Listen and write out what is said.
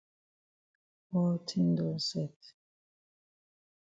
All tin don set.